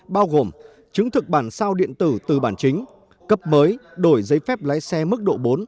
bao gồm chứng thực bản sao điện tử từ bản chính cấp mới đổi giấy phép lái xe mức độ bốn